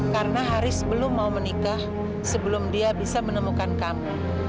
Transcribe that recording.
karena haris belum mau menikah sebelum dia bisa menemukan kamu